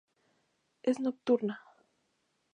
Es nocturna.